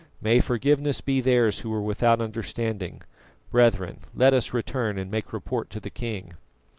May forgiveness be theirs who were without understanding. Brethren, let us return and make report to the king."